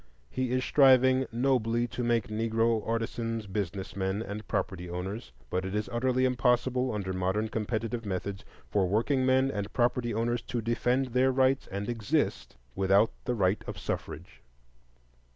He is striving nobly to make Negro artisans business men and property owners; but it is utterly impossible, under modern competitive methods, for workingmen and property owners to defend their rights and exist without the right of suffrage.